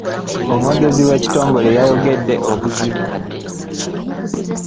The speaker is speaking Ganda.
Omwogezi w'ekitongole yayogedde abuzaabuza.